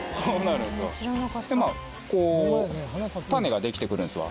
でまあこう種ができてくるんですわ。